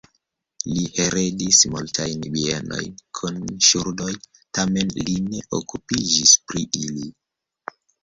Li heredis multajn bienojn kun ŝuldoj, tamen li ne okupiĝis pri ili.